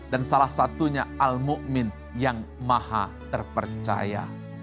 dan salah satunya al mu'min yang maha terpercaya